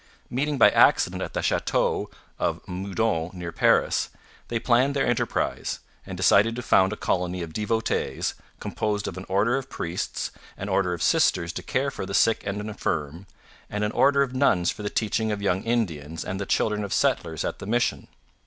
Meeting by accident at the Chateau of Meudon near Paris, they planned their enterprise, and decided to found a colony of devotees, composed of an order of priests, an order of sisters to care for the sick and infirm, and an order of nuns for the teaching of young Indians and the children of settlers at the mission.